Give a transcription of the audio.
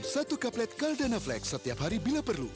satu kaplet caldana flex setiap hari bila perlu